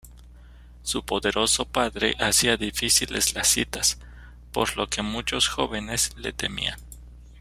Su poderoso padre hacía difíciles las citas, por lo que muchos jóvenes le temían.